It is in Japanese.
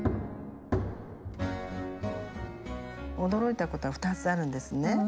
驚いた事が２つあるんですね。